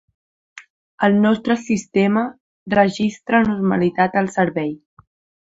El nostre sistema registra normalitat al servei.